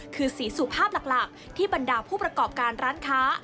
คือสีสุภาพหลักที่บรรดาผู้ประกอบการร้านค้า